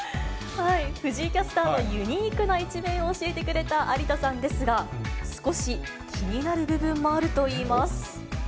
藤井キャスターのユニークな一面を教えてくれた有田さんですが、少し気になる部分もあるといいます。